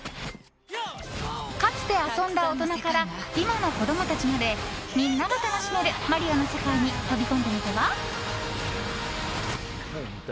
かつて遊んだ大人から今の子供たちまでみんなが楽しめるマリオの世界に飛び込んでみては？